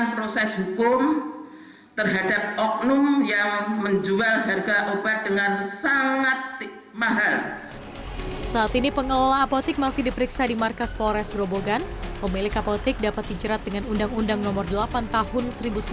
saat ini pengelola apotik masih diperiksa di markas polres grobogan pemilik apotik dapat dijerat dengan undang undang nomor delapan tahun seribu sembilan ratus sembilan puluh